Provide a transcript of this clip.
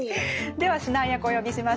では指南役をお呼びしましょう。